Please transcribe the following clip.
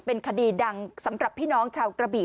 เป็นคดีดังสำหรับพี่น้องชาวกระบี่